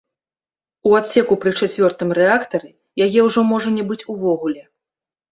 У адсеку пры чацвёртым рэактары яе ўжо можа не быць увогуле.